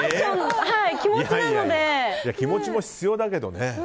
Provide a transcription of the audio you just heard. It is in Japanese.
気持ちも必要だけどね。